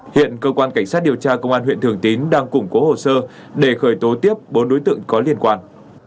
hiện cơ quan cảnh sát điều tra công an huyện thường tín đang củng cố hồ sơ để khởi tố tiếp bốn đối tượng có liên quan